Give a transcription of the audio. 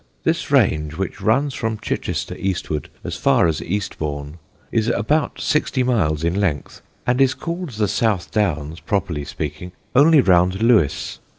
This range, which runs from Chichester eastward as far as East Bourn, is about sixty miles in length, and is called the South Downs, properly speaking, only round Lewes.